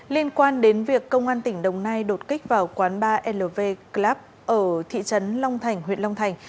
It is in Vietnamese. liên quan đến việc công an tỉnh đồng nai đột kích vào quán balv club ở thị trấn long thành huyện long thành